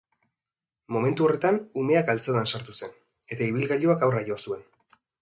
Momentu horretan, umea galtzadan sartu zen, eta ibilgailuak haurra jo zuen.